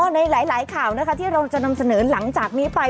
ในหลายข่าวนะคะที่เราจะนำเสนอหลังจากนี้ไป